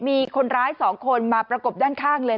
มีคนร้าย๒คนมาประกบด้านข้างเลย